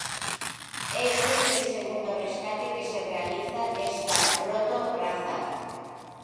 Este es el segundo rescate que se realiza de esta proto-raza.